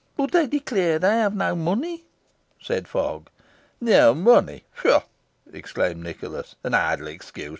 "But they declare they have no money," said Fogg. "No money! pshaw!" exclaimed Nicholas; "an idle excuse.